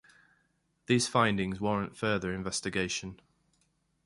These findings warrant further investigation.